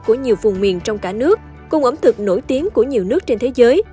của nhiều vùng miền trong cả nước cùng ẩm thực nổi tiếng của nhiều nước trên thế giới